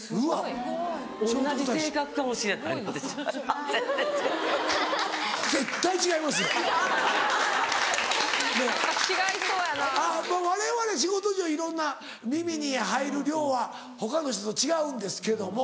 あぁまぁわれわれ仕事上いろんな耳に入る量は他の人と違うんですけども。